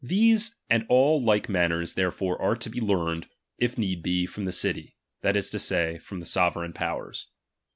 These and all like matters therefore are to^ " learned, if need be, from the city, that is to say, from the sovereign powers.